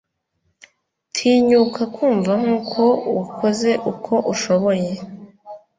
tinyuka kumva nkuko wakoze uko ushoboye